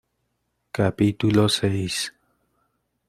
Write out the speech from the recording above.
capítulo seis.